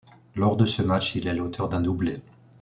Lors de ce match, il est l'auteur d'un doublé.